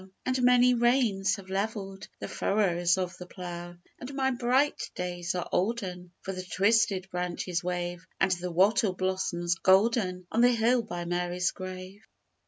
And many rains have levelled The furrows of the plough; And my bright days are olden, For the twisted branches wave And the wattle blossoms golden On the hill by Mary's grave.